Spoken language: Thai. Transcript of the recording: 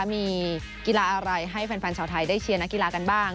มีกีฬาอะไรให้แฟนชาวไทยได้เชียร์นักกีฬากันบ้าง